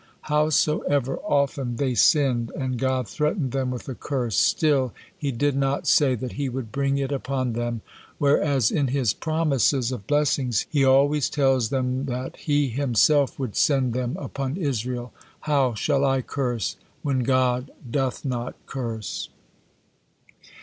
Howsoever often they sinned and God threatened them with a curse, still He did not say that He would bring it upon them, whereas in His promises of blessings He always tells them that He Himself would send them upon Israel. How shall I curse when God doth not curse!